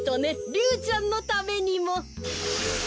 リュウちゃんのためにも。